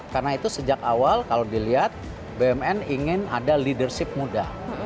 karena itu sejak awal kalau dilihat bumn ingin ada leadership muda